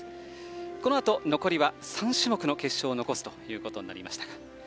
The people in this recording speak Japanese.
このあと、残りは３種目の決勝を残すことになりました。